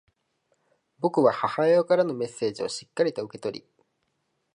僕は母親からのメッセージをしっかりと受け取り、